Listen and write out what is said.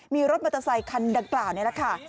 มีรถมอเตอร์ไซค์คันต่างนี่แหละค่ะ